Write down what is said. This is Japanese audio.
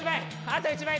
あと１枚！